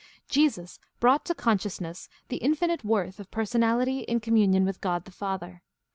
— Jesus brought to consciousness the infinite worth of personality in communion with God the Father.